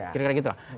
kira kira gitu lah